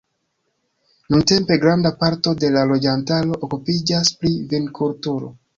Nuntempe granda parto de la loĝantaro okupiĝas pri vinkulturo.